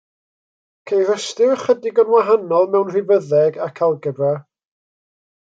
Ceir ystyr ychydig yn wahanol mewn rhifyddeg ac algebra.